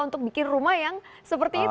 untuk bikin rumah yang seperti itu